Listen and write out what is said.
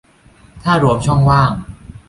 ถ้ารวมช่องว่าง